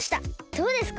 どうですか？